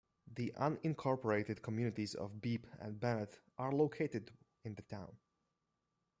The unincorporated communities of Beebe and Bennett are located in the town.